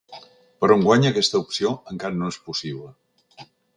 Però enguany aquesta opció encara no és possible.